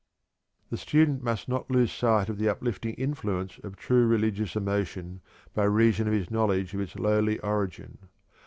The student must not lose sight of the uplifting influence of true religious emotion by reason of his knowledge of its lowly origin.